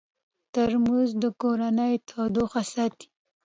ترموز د کورنۍ تودوخه ساتي.